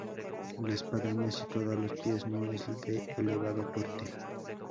La espadaña, situada a los pies, no es de elevado porte.